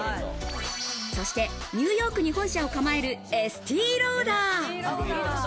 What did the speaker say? そしてニューヨークに本社を構えるエスティローダー。